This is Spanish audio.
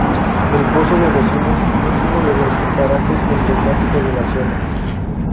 El Pozo de los Humos es uno de los parajes emblemáticos de la zona.